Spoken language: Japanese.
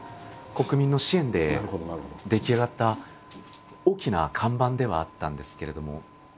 国民の支援で出来上がった大きな看板ではあったんですけれども。